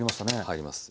入ります。